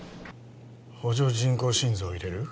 補助人工心臓を入れる？